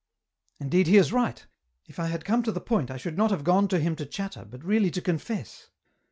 " Indeed he is right ; if I had come to the point I should not have gone to him to chatter, but really to confess.